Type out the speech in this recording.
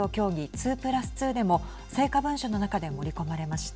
２プラス２でも成果文書の中で盛り込まれました。